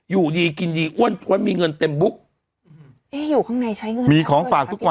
อยู่ดีกินอ้วนต้นมีเงินเต็มบุ๊ก